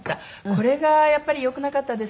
これがやっぱり良くなかったですね。